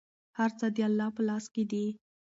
هر څه د الله په لاس کې دي.